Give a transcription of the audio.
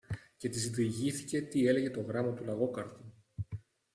Και της διηγήθηκε τι έλεγε το γράμμα του Λαγόκαρδου